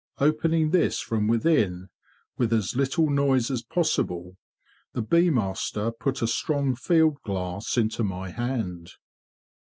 Opening this from within with as little noise as possible, the bee master put a strong field glass into my hand.